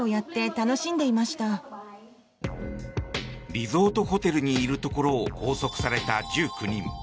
リゾートホテルにいるところを拘束された１９人。